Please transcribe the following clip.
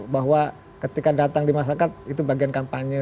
bahwa ketika datang di masyarakat itu bagian kampanye